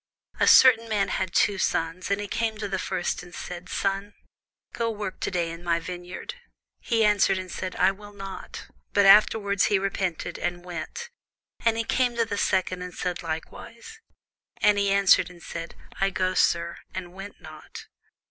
A certain man had two sons; and he came to the first, and said, Son, go work to day in my vineyard. He answered and said, I will not: but afterward he repented, and went. And he came to the second, and said likewise. And he answered and said, I go, sir: and went not.